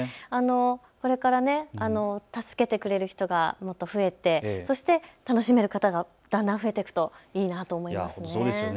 これから助けてくれる人がもっと増えて、そして楽しめる方がだんだん増えていくといいなと思いますね。